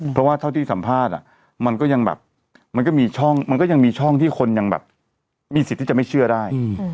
เพราะว่าเท่าที่สัมภาษณ์มันก็ยังแบบมันก็มีช่องมันก็ยังมีช่องที่คนยังแบบมีสิทธิ์ที่จะไม่เชื่อได้